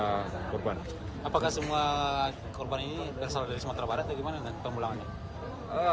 apakah semua korban ini berasal dari sumatera barat atau gimana pemulangannya